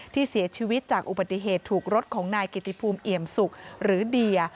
ที่เสียชีวิตจากอุบัติเหตุถูกรถของนายกิติภูมิเอี่ยมสุกหรือเดีย